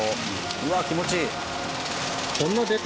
うわっ気持ちいい。